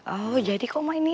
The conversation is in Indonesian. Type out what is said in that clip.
oh jadi kok ini